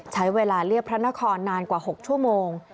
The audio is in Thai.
ใช้เวลาเรียบพระนครนานกว่า๖ชั่วโมง